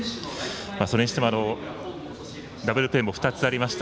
それにしてもダブルプレーも２つありました。